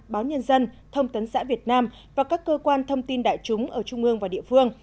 báo nhân dân thông tấn xã việt nam và các cơ quan thông tin đại chúng ở trung ương và địa phương